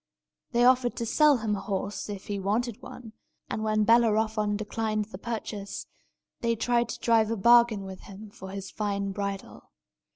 They offered to sell him a horse, if he wanted one; and when Bellerophon declined the purchase, they tried to drive a bargain with him for his fine bridle.